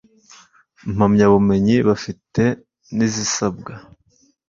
mpamyabumenyi bafite n izisabwa